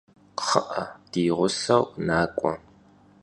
Kxhı'e, di ğuseu nak'ue!